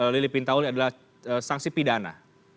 lelahpintau ini adalah sanksi pidana